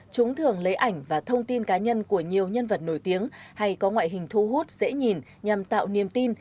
chúng thường lấy ảnh và thông tin cá nhân của nhiều nhân vật nổi tiếng hay có ngoại hình thu hút dễ nhìn nhằm tạo niềm tin